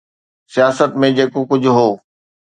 سياست ۾ جيڪو ڪجهه هو.